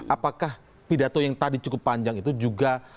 apakah pidato yang tadi cukup panjang itu juga